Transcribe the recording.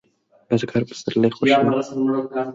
بزګر پسرلی خوښوي